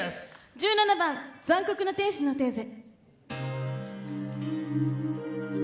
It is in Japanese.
１７番「残酷な天使のテーゼ」。